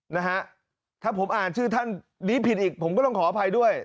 นะฮะถ้าผมอ่านชื่อท่านนี้ผิดอีกผมก็ต้องขออภัยด้วย